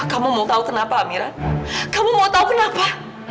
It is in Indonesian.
kamu mau tahu kenapa mira kamu mau tahu kenapa